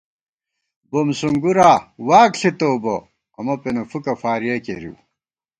بُم سُونگُرا واک ݪِتوؤ بہ ، امہ پېنہ فُوکہ فارِیَہ کېرِیؤ